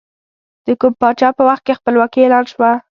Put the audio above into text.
د کوم پاچا په وخت کې خپلواکي اعلان شوه؟